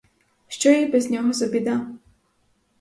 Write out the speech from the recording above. Що їй без нього за біда?